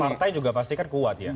partai juga pasti kan kuat ya